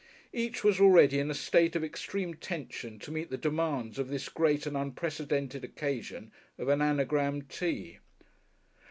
Each was already in a state of extreme tension to meet the demands of this great and unprecedented occasion of an Anagram Tea.